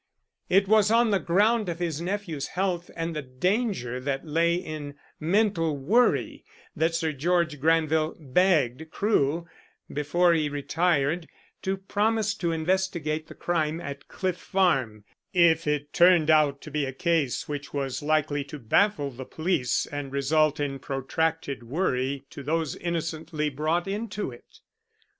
It was on the ground of his nephew's health and the danger that lay in mental worry that Sir George Granville begged Crewe, before he retired, to promise to investigate the crime at Cliff Farm if it turned out to be a case which was likely to baffle the police and result in protracted worry to those innocently brought into it.